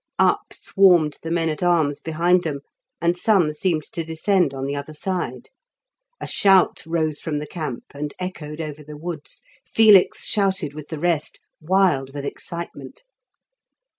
Up swarmed the men at arms behind them, and some seemed to descend on the other side. A shout rose from the camp and echoed over the woods. Felix shouted with the rest, wild with excitement.